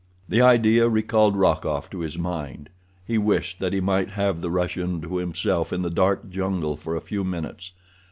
The idea recalled Rokoff to his mind. He wished that he might have the Russian to himself in the dark jungle for a few minutes.